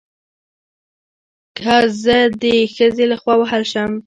که زه د ښځې له خوا ووهل شم